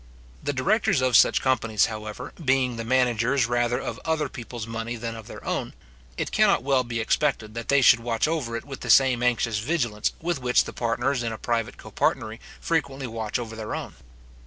The directors of such companies, however, being the managers rather of other people's money than of their own, it cannot well be expected that they should watch over it with the same anxious vigilance with which the partners in a private copartnery frequently watch over their own.